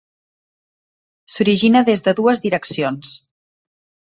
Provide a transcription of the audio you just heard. S'origina des de dues direccions.